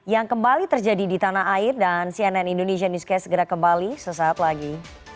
yang kembali terjadi di tanah air dan cnn indonesia newscast segera kembali sesaat lagi